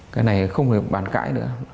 cái này không phải bàn cãi nữa